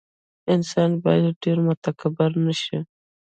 انسان باید ډېر متکبر نه شي.